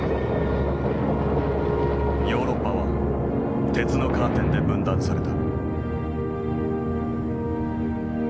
ヨーロッパは鉄のカーテンで分断された。